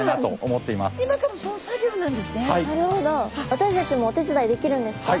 私たちもお手伝いできるんですか？